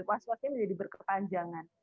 waswasnya menjadi berkepanjangan